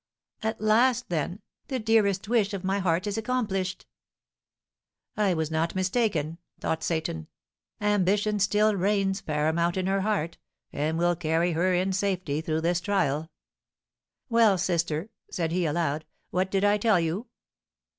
At last, then, the dearest wish of my heart is accomplished!" "I was not mistaken," thought Seyton, "ambition still reigns paramount in her heart, and will carry her in safety through this trial. Well, sister," said he, aloud, "what did I tell you?"